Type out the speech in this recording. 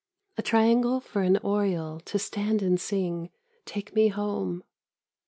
A triangle for an oriole to stand and sing, " Take me home."